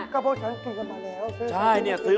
ก็เพราะฉันกินแล้วมาแล้ว